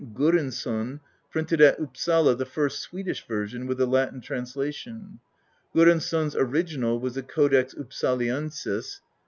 Goransson printed at Upsala the first Swedish version, with a Latin translation. Goransson's original was the Codex Upsaliensis.